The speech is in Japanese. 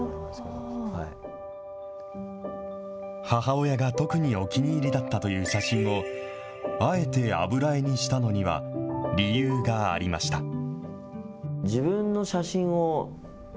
母親が特にお気に入りだったという写真を、あえて油絵にしたのには理由がありました。